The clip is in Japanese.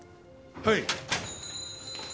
はい。